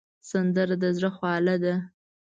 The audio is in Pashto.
سندره د زړه خواله ده